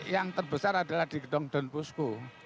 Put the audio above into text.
yang terbesar adalah di gedung donpusku